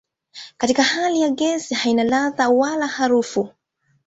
Katika hali ya gesi haina ladha wala harufu.